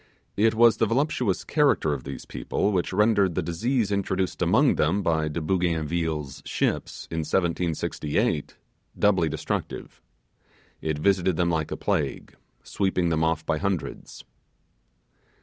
It was the voluptuous character of these people which rendered the disease introduced among them by De Bougainville's ships, in 1768, doubly destructive. It visited them like a plague, sweeping them off by hundreds.